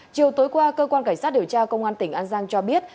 chiều tối qua cơ quan cảnh sát điều tra công an tỉnh an giang cho biết